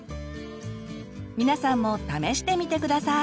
皆さんも試してみて下さい！